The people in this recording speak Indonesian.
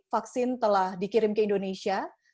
vaksin telah dikirim ke indonesia